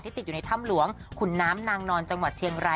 ติดอยู่ในถ้ำหลวงขุนน้ำนางนอนจังหวัดเชียงราย